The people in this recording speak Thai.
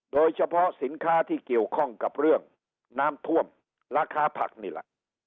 โดยเฉพาะสินค้าที่เกี่ยวข้องกับเรื่องน้ำท่วมราคาผักนี่แหละ